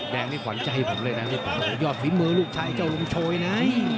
แดงนี่ขวัญใจผมเลยนะยอดฝีมือลูกชายเจ้าหลวงโชยนะ